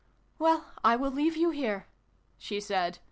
"Well, I will leave you here," she said.